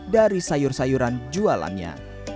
dari sayur sayuran jualannya